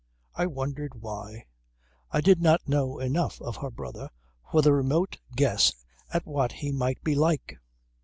I wondered why. I did not know enough of her brother for the remotest guess at what he might be like.